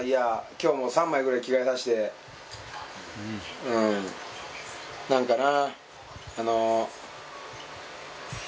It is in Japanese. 今日も３枚ぐらい着替えさせてうん何かな